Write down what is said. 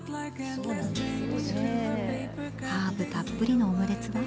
ハーブたっぷりのオムレツは？